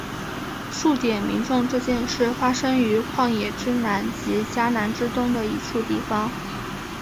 数点民众这件事发生于旷野之南及迦南之东的一处地方。